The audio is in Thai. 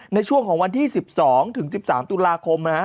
ในช่วงของวันที่๑๒ถึง๑๓ตุลาคม